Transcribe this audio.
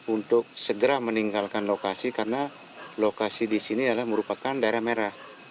untuk segera meninggalkan lokasi karena lokasi di sini adalah merupakan daerah merah